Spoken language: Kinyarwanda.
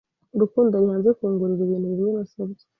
Rukundo ari hanze kungurira ibintu bimwe nasabye.